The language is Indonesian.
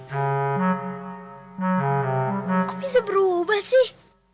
kok bisa berubah sih